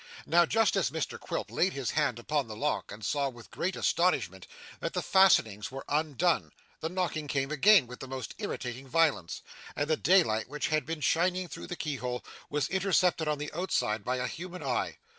Now, just as Mr Quilp laid his hand upon the lock, and saw with great astonishment that the fastenings were undone, the knocking came again with the most irritating violence, and the daylight which had been shining through the key hole was intercepted on the outside by a human eye.